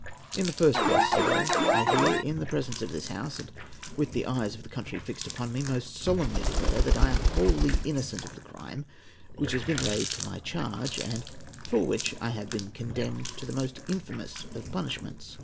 "In the first place, sir, I here, in the presence of this House, and with the eyes of the country fixed upon me, most solemnly declare that I am wholly innocent of the crime which has been laid to my charge, and for which I have been condemned to the most infamous of punishments.